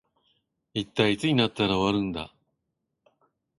一体いつになったら終わるんだ